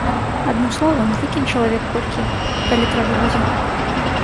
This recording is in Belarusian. Адным словам, выкінь чалавек колькі, калі трэба будзе.